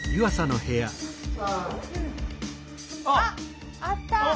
あっあった。